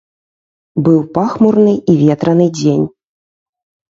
Быў пахмурны і ветраны дзень.